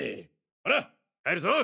ほら帰るぞ。